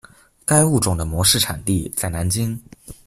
该物种的模式产地在南京。